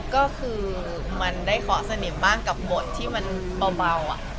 ก็คือมันได้เคาะสนีมมากกับบทที่มันเปล่าอะ